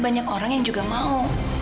banyak orang yang juga mau